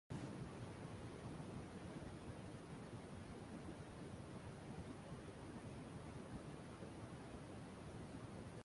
গাঁজানো শেষ হলে, পোমেসটি চোলাই করা হয়।